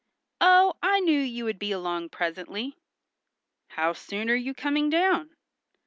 "Oh, I knew you would be along presently." "How soon are you coming down?"